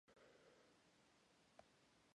He played college football at Montana State.